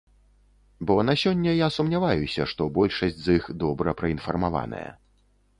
Бо на сёння я сумняваюся, што большасць з іх добра праінфармаваная.